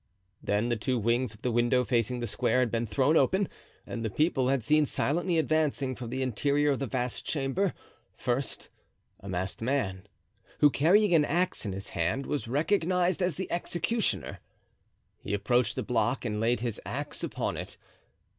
Then the two wings of the window facing the square had been thrown open, and the people had seen silently advancing from the interior of the vast chamber, first, a masked man, who, carrying an axe in his hand, was recognized as the executioner. He approached the block and laid his axe upon it.